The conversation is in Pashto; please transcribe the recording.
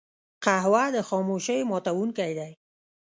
قهوه د خاموشۍ ماتونکی دی